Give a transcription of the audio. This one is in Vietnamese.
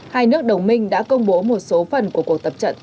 hai nước đồng minh đã công bố một số phần của cuộc tập trận